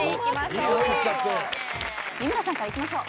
三村さんからいきましょう。